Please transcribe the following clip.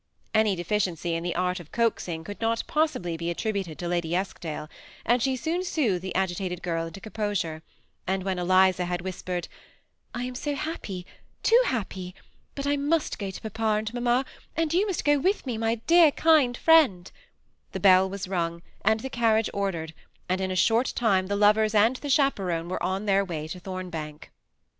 Any deficiency in the art of coaxing could not pos sibly be attributed to Lady Eskdale, and she soon soothed the agitated girl into composure; and when Eliza had whispered '^ I am so happy, too happy, but I must go to papa and mamma, and you must go with me, my dear, kind friend,*' the bell was rung, and the carriage ordered, and in a short time the lovers and the cbaperone were on their way to Thornbank.